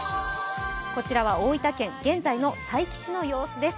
こちらは大分県、現在の佐伯市の様子です。